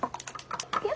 いくよ。